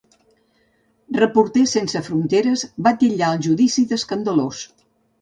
Reporters Sense Fronteres va titllar el judici d'escandalós.